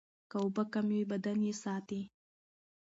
که اوبه کمې وي، بدن یې ساتي.